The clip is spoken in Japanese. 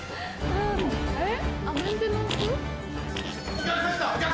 あれ？